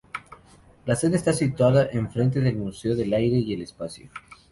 La sede está situada en frente del Museo del Aire y del Espacio.